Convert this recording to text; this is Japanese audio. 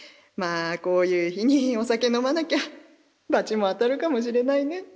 まあこういう日にお酒飲まなきゃバチも当たるかもしれないね。